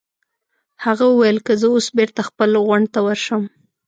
هغه وویل: که زه اوس بېرته خپل غونډ ته ورشم.